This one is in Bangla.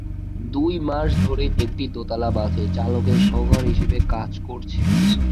দুই মাস ধরে একটি দোতলা বাসে চালকের সহকারী হিসেবে কাজ করছে।